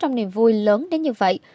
trong niềm vui lớn đến như vậy